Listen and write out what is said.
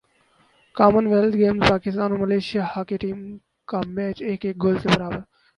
common wealth Games Pakistan اور Malaysia hockey team کا match ایک ایک گول سے برابر